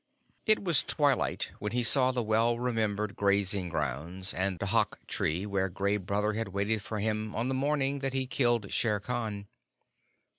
It was at twilight when he saw the well remembered grazing grounds, and the dhak tree where Gray Brother had waited for him on the morning that he killed Shere Khan.